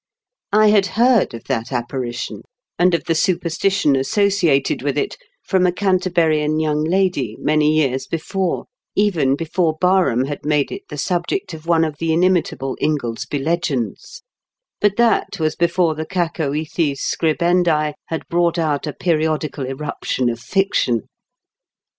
I had heard of that apparition, and of the superstition associated with it, from a Canter burian young lady, many years before, even before Barham had made it the subject of one of the inimitable Ingoldsby Legends ; but that was before the cacoethes scribendi had brought out a periodical eruption of fiction.